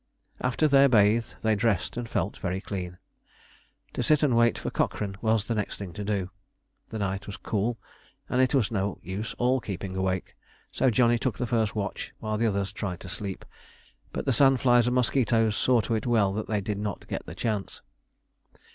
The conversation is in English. After their bathe they dressed and felt very clean. To sit and wait for Cochrane was the next thing to do. The night was cool, and it was no use all keeping awake, so Johnny took the first watch, while the others tried to sleep; but the sand flies and mosquitoes saw to it well that they did not get the chance.